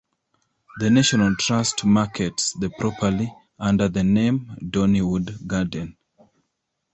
The National Trust markets the property under the name "Dorneywood Garden".